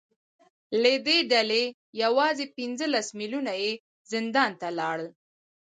له دې ډلې یوازې پنځلس میلیونه یې زندان ته لاړل